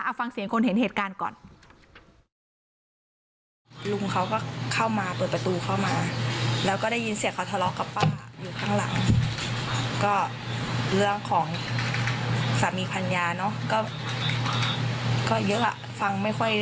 ฟังเสียงคนเห็นเหตุการณ์ก่อน